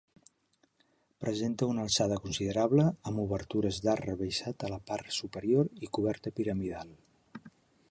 Presenta una alçada considerable, amb obertures d'arc rebaixat a la part superior i coberta piramidal.